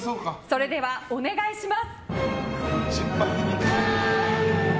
それではお願いします。